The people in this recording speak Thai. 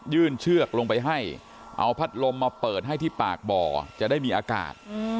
เชือกลงไปให้เอาพัดลมมาเปิดให้ที่ปากบ่อจะได้มีอากาศ